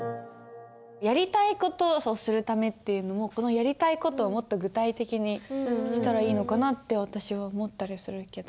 やりたいことをするためっていうのもこのやりたいことをもっと具体的にしたらいいのかなって私は思ったりするけど。